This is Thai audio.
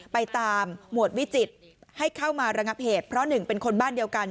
ไปตามหมวดวิจิตรให้เข้ามาระงับเหตุเพราะหนึ่งเป็นคนบ้านเดียวกัน